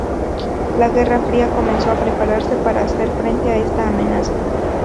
La Guerra Fría comenzó a prepararse para hacer frente a esta amenaza.